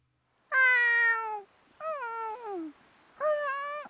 あん？